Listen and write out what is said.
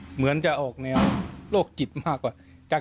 เหมือนจะออกแนวโรคจิตมากกว่า